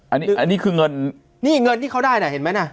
อันนี้อันนี้คือเงินนี่เงินที่เขาได้นะเห็นไหมน่ะ